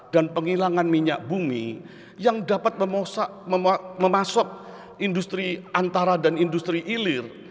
dan penghilangan minyak bumi yang dapat memasok industri antara dan industri hilir